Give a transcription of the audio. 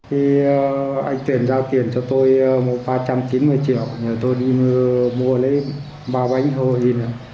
khi anh tuyển giao tiền cho tôi ba trăm chín mươi triệu tôi đi mua lấy ba bánh heroin